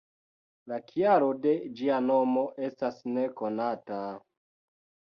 La kialo de ĝia nomo estas nekonata...